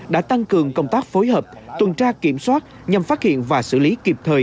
đã tăng cường công tác phối hợp tuần tra kiểm soát nhằm phát hiện và xử lý kịp thời